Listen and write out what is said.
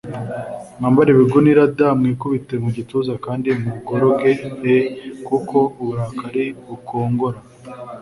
mwambare ibigunira d Mwikubite mu gituza kandi muboroge e kuko uburakari bukongora